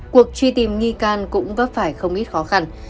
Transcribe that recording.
cuộc truy tìm nghi can cũng vấp phải không ít khó khăn